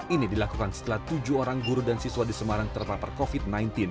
ini dilakukan setelah tujuh orang guru dan siswa di semarang terpapar covid sembilan belas